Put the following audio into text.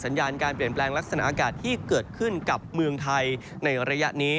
ญาณการเปลี่ยนแปลงลักษณะอากาศที่เกิดขึ้นกับเมืองไทยในระยะนี้